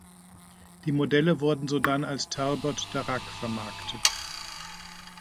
Die Modelle wurden sodann als Talbot-Darracq vermarktet.